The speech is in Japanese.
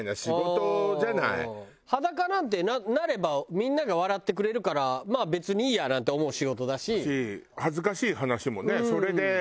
裸なんてなればみんなが笑ってくれるからまあ別にいいやなんて思う仕事だし。